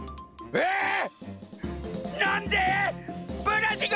えっ？